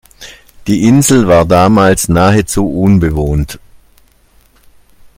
Die Insel war damals nahezu unbewohnt.